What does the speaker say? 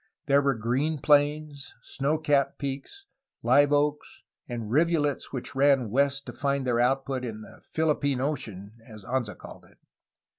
There were green plains, snow capped peaks, live oaks, and rivulets which ran west to find their outlet in *the Phil ippine Ocean,' as Anza called it.